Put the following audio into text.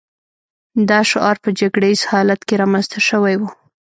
دا شعار په جګړه ییز حالت کې رامنځته شوی و